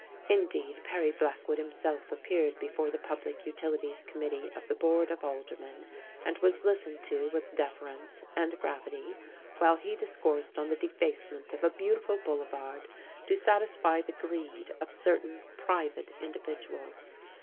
Indeed Perry Blackwood himself appeared before the Public Utilities Committee of the Board of Aldermen, and was listened to with deference and gravity while he discoursed on the defacement of a beautiful boulevard to satisfy the greed of certain private individuals.